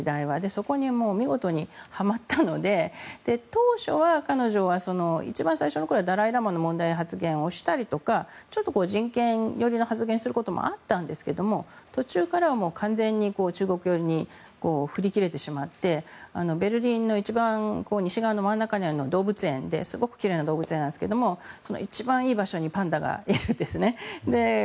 そこに見事にはまったので当初は彼女は一番最初の頃はダライ・ラマの問題発言をしたりだとかちょっと人権寄りの発言をすることもあったんですが途中からは完全に中国寄りに振り切れてしまってベルリンの一番西側の真ん中にある動物園ですごく奇麗な動物園なんですがその一番いい場所にパンダがいるんですね。